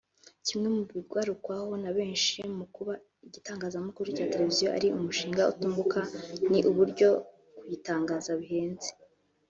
Kimwe mu bigarukwaho na benshi mu kuba igitangazamakuru cya Televiziyo ari umushinga utunguka ni uburyo kuyitangiza bihenze